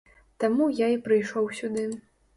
Таму я і прыйшоў сюды.